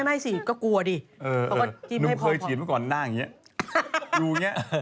หนุ่มเคยชีดเมื่อก่อนน่าแบบงี้